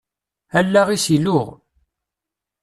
Allaɣ-is iluɣ.